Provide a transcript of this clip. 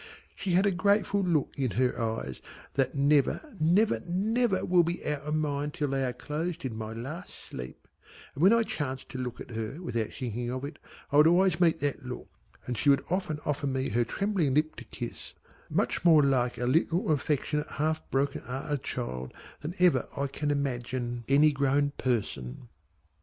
She had a grateful look in her eyes that never never never will be out of mine until they are closed in my last sleep, and when I chanced to look at her without thinking of it I would always meet that look, and she would often offer me her trembling lip to kiss, much more like a little affectionate half broken hearted child than ever I can imagine any grown person.